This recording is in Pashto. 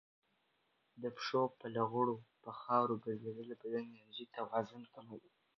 د پښو په لغړو په خاورو ګرځېدل د بدن انرژي توازن کوي.